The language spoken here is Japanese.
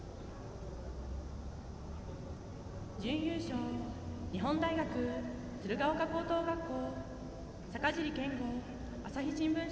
準優勝日本大学鶴ヶ丘高等学校。